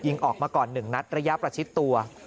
ยิงออกมาก่อนหนึ่งนัดระยะประชิดตัว